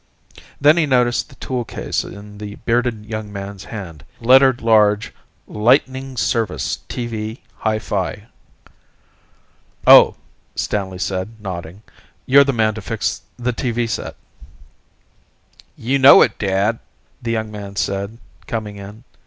Then he noticed the toolcase in the bearded young man's hand, lettered large LIGHTNING SERVICE, TV, HI FI. "Oh," Stanley said, nodding. "You're the man to fix the TV set." "You know it, Dad," the young man said, coming in.